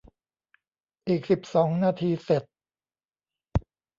อีกสิบสองนาทีเสร็จ